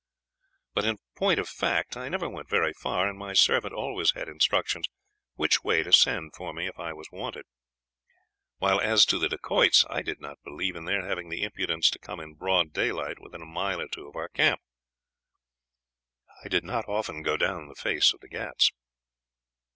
But in point of fact, I never went very far, and my servant always had instructions which way to send for me if I was wanted; while, as to the Dacoits, I did not believe in their having the impudence to come in broad daylight within a mile or two of our camp. I did not often go down the face of the Ghauts.